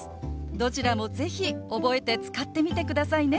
どちらも是非覚えて使ってみてくださいね。